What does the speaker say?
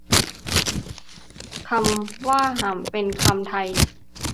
คำว่า หำ เป็นคำไท